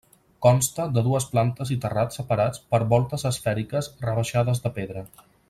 Consta de dues plantes i terrat separats per voltes esfèriques rebaixades de pedra.